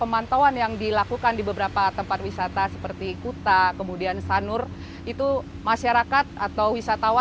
megi dan anissa